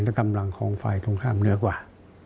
และกำลังของฝ่ายตรงข้ามเหนือกว่า